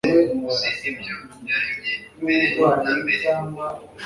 hakubiyemo ibintu bitandukanye nk' imihanda